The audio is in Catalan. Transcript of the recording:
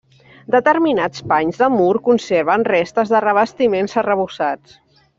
Determinats panys de mur conserven restes de revestiments arrebossats.